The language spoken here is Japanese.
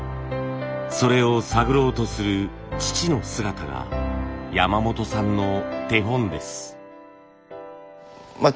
それを探ろうとする父の姿が山本さんの手本です。